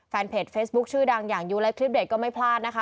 แฟนเพจเฟซบุ๊คชื่อดังอย่างยูไลทริปเดตก็ไม่พลาดนะคะ